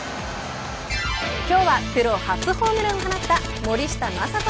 今日はプロ初ホームランを放った森下暢仁